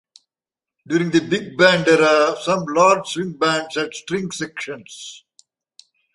During the big band era, some large swing bands had string sections.